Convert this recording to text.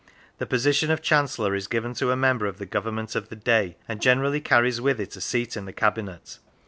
The position of Chancellor is given to a member of the Government of the day, and generally carries with it a seat in the Cabinet.